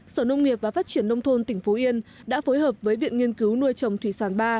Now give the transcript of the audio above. sở nông nghiệp và phát triển nông thôn tỉnh phú yên đã phối hợp với viện nghiên cứu nuôi trồng thủy sản ba